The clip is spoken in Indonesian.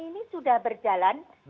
ini sudah berjalan